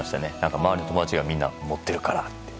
周りの友達がみんな持ってるからって。